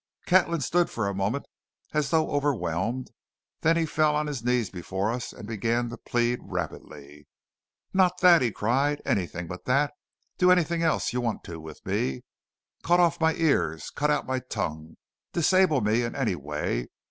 Catlin stood for a moment as though overwhelmed; then he fell on his knees before us and began to plead rapidly. "Not that!" he cried. "Anything but that! Do anything else you want to with me! Cut off my ears and cut out my tongue! Disable me in any way!